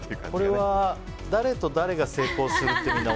これは誰と誰が成功するってみんな。